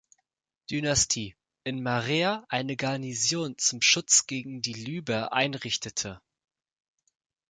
Dynastie, in Marea eine Garnison zum Schutz gegen die Libyer einrichtete.